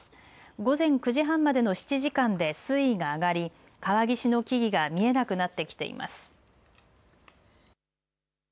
午前９時半までの７時間で水位が上がり川岸の木々が見えなくなってきています。